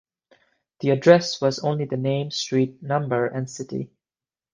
The address was only the name, street, number, and city.